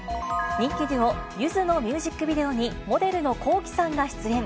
人気デュオ、ゆずのミュージックビデオにモデルのＫｏｋｉ，さんが出演。